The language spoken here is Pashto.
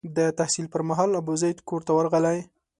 د تحصیل پر مهال ابوزید کور ته ورغلی.